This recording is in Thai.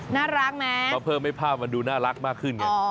น่ารักไหมเขาเพิ่มให้ภาพมันดูน่ารักมากขึ้นไง